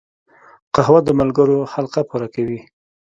قهوه د ملګرو حلقه پوره کوي